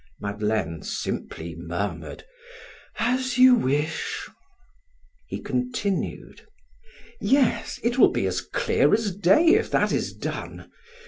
Madeleine simply murmured: "As you wish." He continued: "Yes, it will be as clear as day if that is done.